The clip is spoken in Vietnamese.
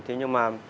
thế nhưng mà